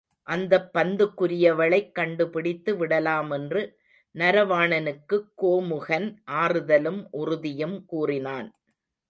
அந்தப் பந்துக்குரியவளைக் கண்டுபிடித்து விடலாமென்று நரவாணனுக்குக் கோமுகன் ஆறுதலும் உறுதியும் கூறினான்.